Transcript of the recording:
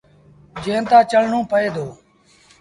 جݩهݩ تآݩ چڙهڻو پئي دو۔